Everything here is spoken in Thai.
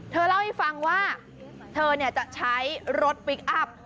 เธอเล่าให้ฟังว่าเธอจะใช้รถพลิกอัพ